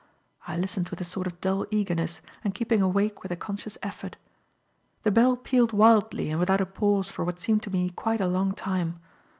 I listened with a sort of dull eagerness and keeping awake with a conscious effort. The bell pealed wildly and without a pause for what seemed to me quite a long time.